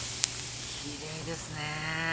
キレイですね